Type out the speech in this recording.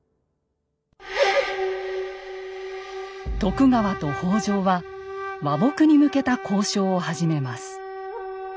徳川と北条は和睦に向けた交渉を始めます。